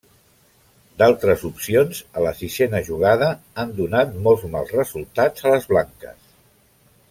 D'altres opcions a la sisena jugada han donat molt mals resultats a les blanques.